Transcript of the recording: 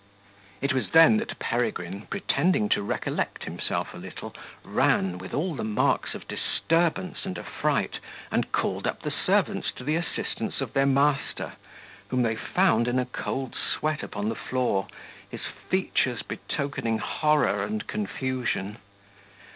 It was then that Peregrine, pretending to recollect himself a little, ran, with all the marks of disturbance and affright, and called up the servants to the assistance of their master, whom they found in a cold sweat upon the floor, his features betokening horror and confusion.